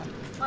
dari muda ya